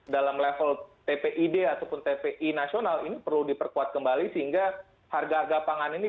dalam level tpid ataupun tpi nasional ini perlu diperkuat kembali sehingga harga harga pangan ini